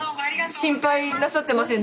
心配なさってません？